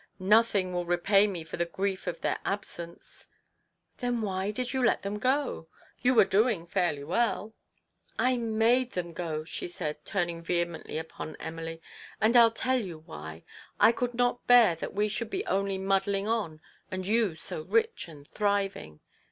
" Nothing will repay me for the grief of their absence !"" Then why did you let them go ? You were doing fairly well." 136 TO PLEASE HIS WIFE. X " I made them go I " she said, turning vehe mently upon Emily. " And I'll tell you why ! I could not bear that we should be only muddling on, and you so rich and thriving.